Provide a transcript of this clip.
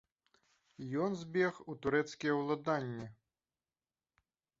Ён збег у турэцкія ўладанні.